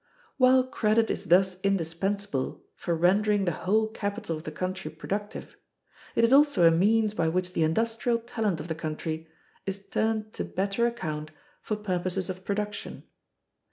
While credit is thus indispensable for rendering the whole capital of the country productive, it is also a means by which the industrial talent of the country is turned to better account for purposes of production.